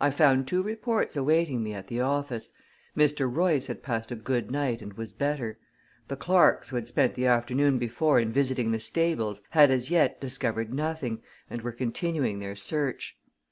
I found two reports awaiting me at the office: Mr. Royce had passed a good night and was better; the clerks who had spent the afternoon before in visiting the stables had as yet discovered nothing, and were continuing their search.